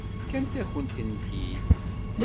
Fkan-akent-ten-id.